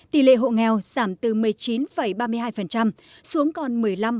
tỷ lệ hộ nghèo giảm từ một mươi chín ba mươi hai xuống còn một mươi năm ba mươi tám